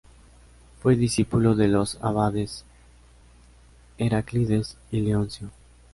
Fue discípulo de los abades Heráclides y Leoncio.